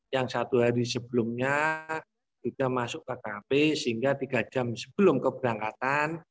yang satu hari sebelumnya sudah masuk ke kkp sehingga tiga jam sebelum keberangkatan